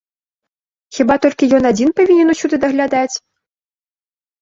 Хіба толькі ён адзін павінен усюды даглядаць?